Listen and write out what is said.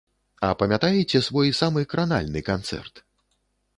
А памятаеце свой самы кранальны канцэрт?